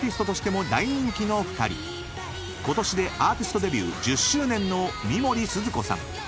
［ことしでアーティストデビュー１０周年の三森すずこさん］